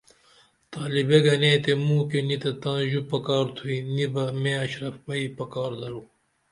تالبے گنے تے موہ کی نی تہ تائیں ژو پکار تھوئی نی بہ مے اشرپئی پکار درو